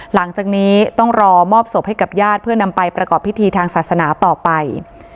หลังจากนี้ต้องรอมอบศพให้กับญาติเพื่อนำไปประกอบพิธีทางศาสนาต่อไป